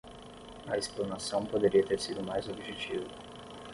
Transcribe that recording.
A explanação poderia ter sido mais objetiva